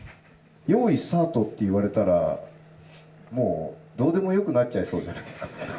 よーい、スタートって言われたら、もうどうでもよくなっちゃいそうじゃないですか。